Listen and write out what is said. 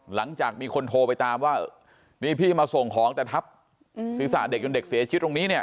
หลังจากมีคนโทรไปตามว่านี่พี่มาส่งของแต่ทับศีรษะเด็กจนเด็กเสียชีวิตตรงนี้เนี่ย